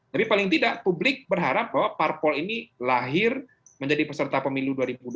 tapi paling tidak publik berharap bahwa parpol ini lahir menjadi peserta pemilu dua ribu dua puluh